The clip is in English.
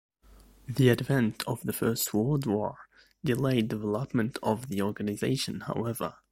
The advent of the First World War delayed development of the organisation, however.